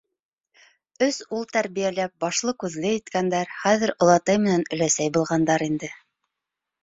Өс ул тәрбиәләп, башлы-күҙле иткәндәр, хәҙер олатай менән өләсәй булғандар инде.